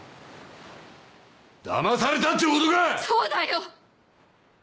だまされたっちゅうことか⁉そうだよ！